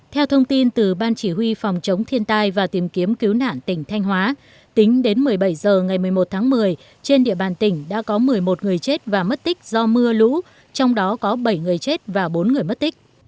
theo thông tin từ ban chỉ huy phòng chống thiên tai và tìm kiếm cứu nạn tỉnh thanh hóa tính đến một mươi bảy h ngày một mươi một tháng một mươi trên địa bàn tỉnh đã có một mươi một người chết và mất tích do mưa lũ trong đó có bảy người chết và bốn người mất tích